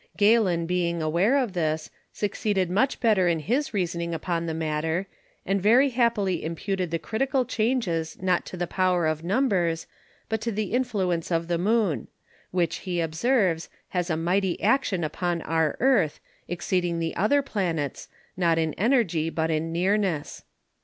Galen being aware of this, succeeded much better in his reasoning upon the Matter, and very happily imputed the Critical Changes not to the Power of Numbers, but to the Influence of the Moon; which he observes, has a mighty Action upon our Earth, exceeding the other Planets, not in Energy, but in Nearness.